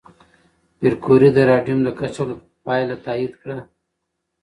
پېیر کوري د راډیوم د کشف پایله تایید کړه.